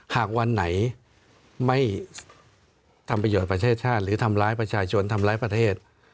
หากวันไหนไม่ทำประโยชน์ประเทศชาติหรือทำร้ายประชาชนทำร้ายประเทศ